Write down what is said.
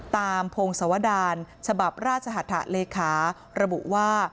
ตามโพงสวดารฉบับราชหัตถะเลขาระบุว่า